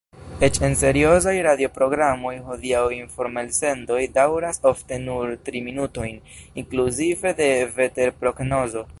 Eĉ en seriozaj radioprogramoj hodiaŭ informelsendoj daŭras ofte nur tri minutojn, inkluzive de veterprognozo.